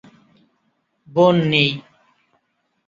বোন নেই।